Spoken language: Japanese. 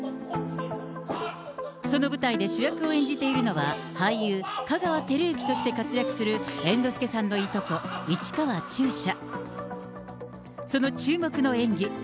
その舞台で主役を演じているのは、俳優、香川照之として活躍する猿之助さんのいとこ、市川中車。